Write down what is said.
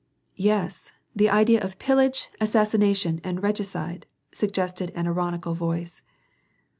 21 ^Yes, the idea of pillage^ assassination, and legicide/' soggested an ironical voice.